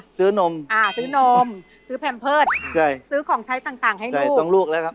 ซื้อนมซื้อนมซื้อแพรมเพิร์ตซื้อของใช้ต่างให้ลูกต้องลูกแล้วครับ